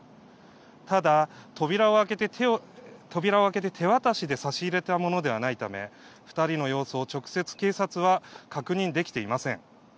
ただ、扉を開けて手渡しで差し入れたものではないため２人の様子を直接警察は確認できていません。